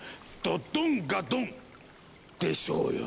ドドンガドン！でしょうよ。